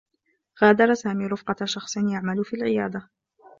غادر سامي رفقة شخص يعمل في العيادة.